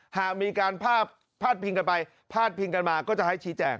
หากมีการพาดพิงกันไปพาดพิงกันมาก็จะให้ชี้แจง